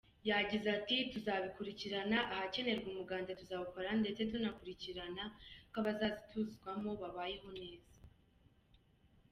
Yagize ati “Tuzabikurikirana, ahakenerwa umuganda tuzawukora ndetse tunakurikirana ko abazazituzwamo babayeho neza.